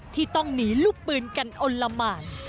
ที่ต้องหนีลูกปืนกันอลละหมาน